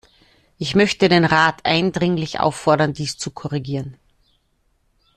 Ich möchte den Rat eindringlich auffordern, dies zu korrigieren.